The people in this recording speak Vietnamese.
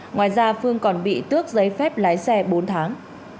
ngoài ra phương còn bị tước giấy phép lái xe bốn tháng